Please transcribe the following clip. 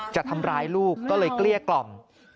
จะทำร้ายลูกก็เลยเกลี้ยกล่อม